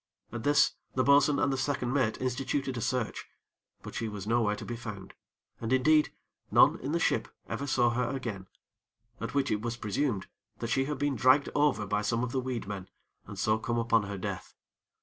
At this, the bo'sun and the second mate instituted a search; but she was nowhere to be found, and, indeed, none in the ship ever saw her again, at which it was presumed that she had been dragged over by some of the weed men, and so come upon her death.